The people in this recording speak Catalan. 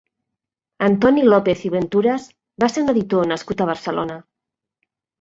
Antoni López i Benturas va ser un editor nascut a Barcelona.